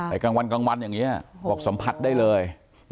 ในกลางวันอย่างเงี้ยบอกสัมผัสได้เลย